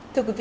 thưa quý vị